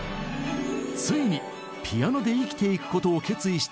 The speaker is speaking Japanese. ついにピアノで生きていくことを決意した反田さん。